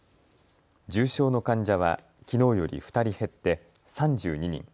重症の患者はきのうより２人減って３２人。